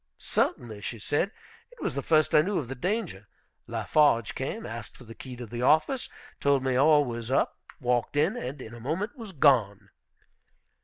"Certainly," she said, "it was the first I knew of the danger. Lafarge came, asked for the key of the office, told me all was up, walked in, and in a moment was gone."